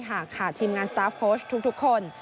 หากขาดทีมงานสตาร์ฟโค้ชทุกคน